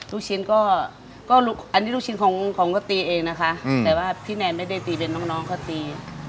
ลูกชิ้นก็อันนี้ลูกชิ้นของก็ตีเองนะคะแต่ว่าพี่แนนไม่ได้ตีเป็นน้องก็ตี